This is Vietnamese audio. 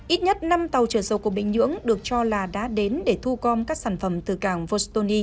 ít nhất năm tàu chở dầu của bình nhưỡng được cho là đã đến để thu gom các sản phẩm từ cảng vostony